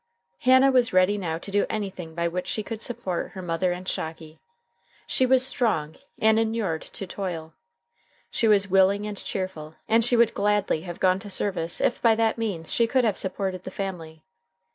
Hannah was ready now to do anything by which she could support her mother and Shocky. She was strong, and inured to toil. She was willing and cheerful, and she would gladly have gone to service if by that means she could have supported the family.